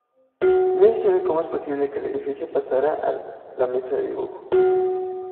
Nadie sabe cómo es posible que el edificio pasara de la mesa de dibujo.